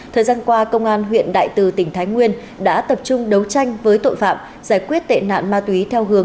thời gian qua công an huyện đại từ tỉnh thái nguyên đã tập trung đấu tranh với tội phạm giải quyết tệ nạn ma túy theo hướng